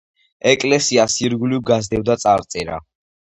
ეკლესიას ირგვლივ გასდევდა წარწერა.